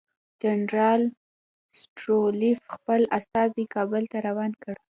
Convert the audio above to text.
جنرال ستولیتوف خپل استازی کابل ته روان کړ.